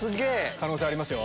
可能性ありますよ。